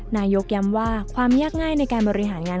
นายกย้ำว่าความยากง่ายในการบริหารงาน